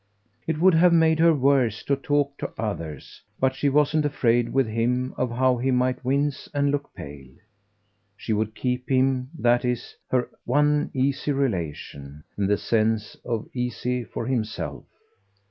It would have made her worse to talk to others, but she wasn't afraid with him of how he might wince and look pale. She would keep him, that is, her one easy relation in the sense of easy for himself.